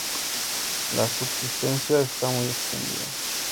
La subsistencia está muy extendida.